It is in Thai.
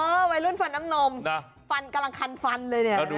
เออวัยรุ่นฟันน้ำนมฟันกำลังคันฟันเลย